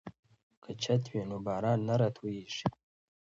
که چت وي نو باران نه راتوییږي.